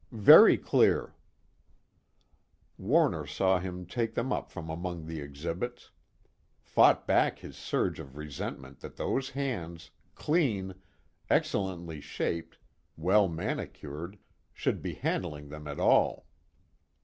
"Very clear." Warner saw him take them up from among the exhibits; fought back his surge of resentment that those hands, clean, excellently shaped, well manicured, should be handling them at all.